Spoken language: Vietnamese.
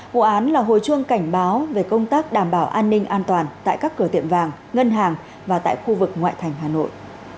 vụ án là hồi chuông cảnh báo về công tác đảm bảo an ninh an toàn tại các cửa tiệm vàng ngân hàng và tại khu vực ngoại thành hà nội